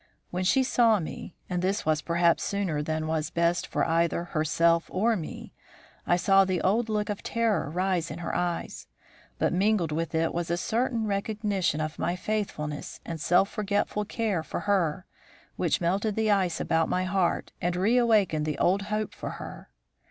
When she saw me, and this was perhaps sooner than was best for either herself or me, I saw the old look of terror rise in her eyes, but mingled with it was a certain recognition of my faithfulness and self forgetful care for her which melted the ice about my heart and reawakened the old hope for her.